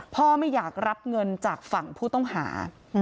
ไม่อยากรับเงินจากฝั่งผู้ต้องหา